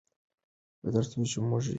تر څو چې موږ یې لرو.